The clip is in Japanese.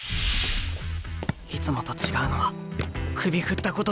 いつもと違うのは首振ったことだけや。